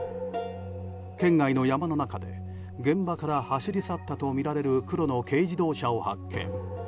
県外の山の中で現場から走り去ったとみられる黒の軽自動車を発見。